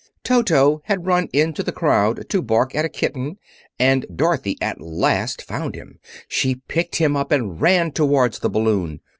Toto had run into the crowd to bark at a kitten, and Dorothy at last found him. She picked him up and ran towards the balloon.